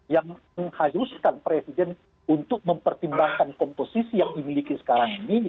yang mengharuskan presiden untuk mempertimbangkan komposisi yang dimiliki sekarang ini